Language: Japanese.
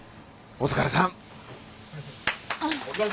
お疲れさん！